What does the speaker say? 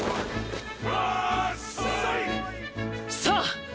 さあ！